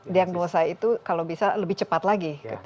diagnosa itu kalau bisa lebih cepat lagi